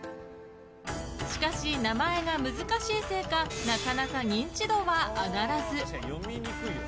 しかし、名前が難しいせいかなかなか認知度は上がらず。